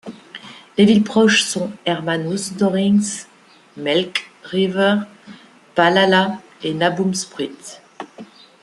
Les villes proches sont Hermanusdorings, Melkrivier, Palala et Naboomspruit.